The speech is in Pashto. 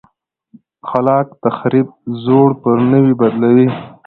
خلاق تخریب زوړ پر نوي بدلوي.